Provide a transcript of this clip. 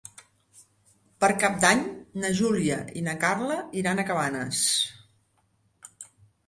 Per Cap d'Any na Júlia i na Carla iran a Cabanes.